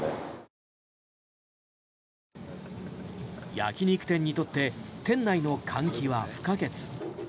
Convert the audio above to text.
焼き肉店にとって店内の換気は不可欠。